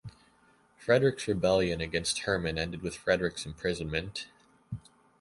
Frederick's rebellion against Hermann ended with Frederick's imprisonment.